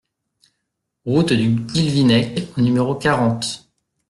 Route du Guilvinec au numéro quarante